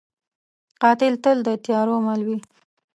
قاتل تل د تیارو مل وي